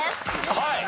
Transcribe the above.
はい。